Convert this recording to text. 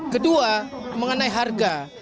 kedua mengenai harga